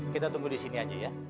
kita tunggu disini aja ya